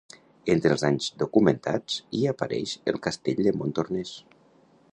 Entre els danys documentats hi apareix el castell de Montornès.